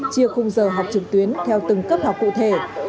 chia khung giờ học trực tuyến theo từng cấp học cụ thể